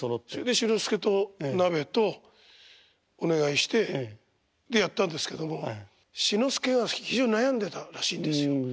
志の輔とナベとお願いしてでやったんですけども志の輔が非常に悩んでたらしいんですよ。